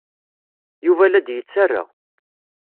Yuba la d-yettarra.